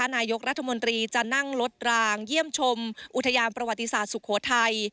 นายกรัฐมนตรีจะนั่งรถรางเยี่ยมชมอุทยานประวัติศาสตร์สุโขทัย